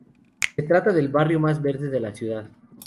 Se trata del barrio más verde de la ciudad.